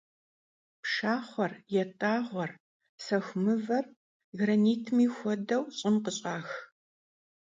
Pşşaxhuer, yat'ağuer, sexu mıver, granitmi xuedeu, ş'ım khış'ax.